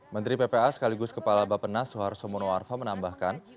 menteri ppa sekaligus kepala bapak nas soeharto monoarfa menambahkan